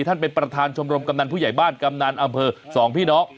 ท่านประธานเป็นประธานชมรมกำนันผู้ใหญ่บ้านกำนันอำเภอสองพี่น้อง